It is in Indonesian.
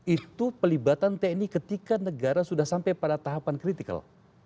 itu pelibatan tni ketika negara sudah sampai pada tahapan critical